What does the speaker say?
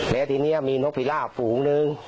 และทีนี้มีนกฟิราบฝูงหนึ่ง